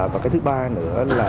và cái thứ ba nữa là